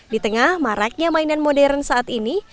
di tengah maraknya mainan modern saat ini